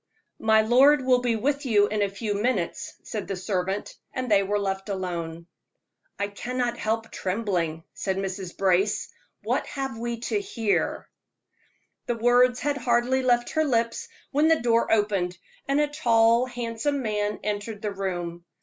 "My lord will be with you in a few minutes," said the servant, and they were left alone. "I cannot help trembling," said Mrs. Brace. "What have we to hear?" The words had hardly left her lips, when the door opened, and a tall, handsome man entered the room.